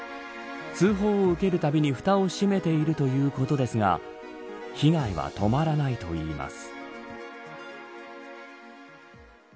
通報を受けるたびにふたを閉めているということですが被害は止まらないということです。